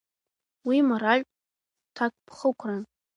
Уи моральтә ҭакԥхықәран.